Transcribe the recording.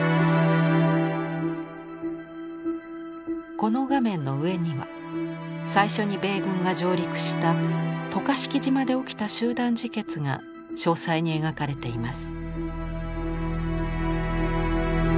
この画面の上には最初に米軍が上陸した渡嘉敷島で起きた集団自決が詳細に描かれています。